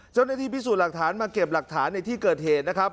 เจ้าหน้าที่พิสูจน์หลักฐานมาเก็บหลักฐานในที่เกิดเหตุนะครับ